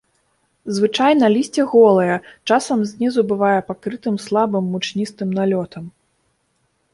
Звычайна лісце голае, часам знізу бывае пакрытым слабым мучністым налётам.